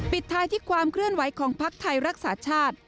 ปิดท้ายที่ความเคลื่อนไหวของภักดิ์ไทยรักษาชาติ